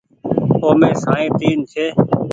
اومي سائين تين ڇي۔